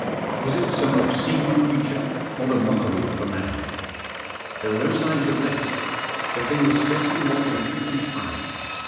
Was it some obscene creature or the mockery of a man ? There were no signs of legs. The thing was scarcely more than three feet high.